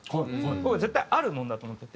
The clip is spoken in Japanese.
僕は絶対あるものだと思ってて。